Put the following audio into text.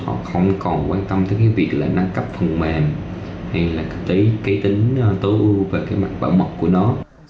họ không còn quan tâm tới cái việc là nâng cấp phần mềm hay là cái tính tối ưu về cái mặt bảo mật của nó